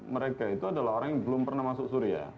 mereka itu adalah orang yang belum pernah masuk syria